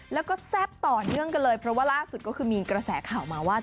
แล้วก็แซ่บต่อเนื่องกันเลยเพราะว่าล่าสุดก็คือมีกระแสข่าวมาว่า